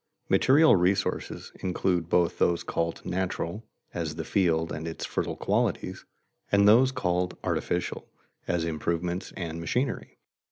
_ Material resources include both those called natural (as the field and its fertile qualities), and those called artificial (as improvements and machinery).